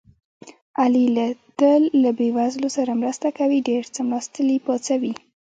علي له تل له بې وزلو سره مرسته کوي. ډېر څملاستلي پاڅوي.